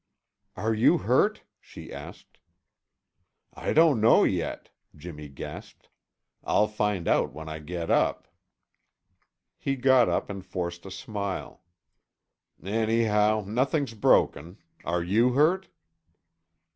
"Are you hurt?" she asked. "I don't know yet," Jimmy gasped. "I'll find out when I get up." He got up and forced a smile. "Anyhow, nothing's broken. Are you hurt?"